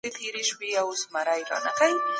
کرنیز محصولات باید په سمه توګه پروسس سي.